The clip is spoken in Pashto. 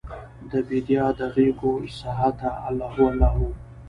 دبیدیا د غیږوسعته الله هو، الله هو